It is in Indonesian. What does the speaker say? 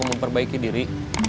mau memperbaiki diri